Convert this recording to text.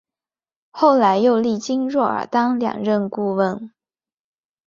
后来又历经若尔丹两任顾问。